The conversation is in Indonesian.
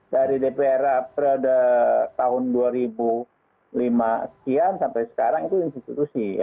dari dpr periode tahun dua ribu lima sekian sampai sekarang itu institusi